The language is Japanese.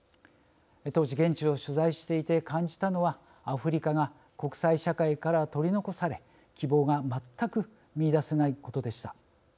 当時、現地を取材していて感じたのはアフリカが国際社会から取り残され希望が全く見いだせないことでした。